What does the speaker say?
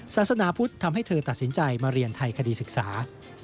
ศาสนาพุทธทำให้เธอตัดสินใจมาเรียนไทยคดีศึกษา